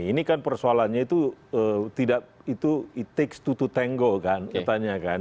ini kan persoalannya itu tidak itu it takes two to tango kan katanya kan